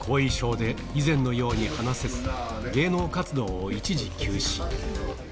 以前のように話せず、芸能活動を一時休止。